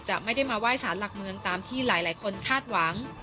ไม่ได้มาไหว้สารหลักเมืองตามที่หลายคนคาดหวัง